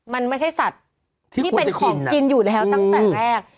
มันไม่ใช่สัตว์ที่เป็นของกินอยู่แล้วตั้งแต่แรก